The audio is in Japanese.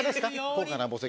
高価な墓石。